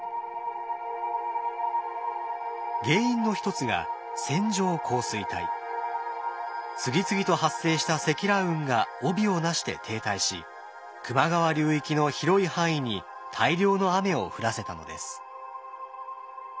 原因の一つが次々と発生した積乱雲が帯をなして停滞し球磨川流域の広い範囲に大量の雨を降らせたのです。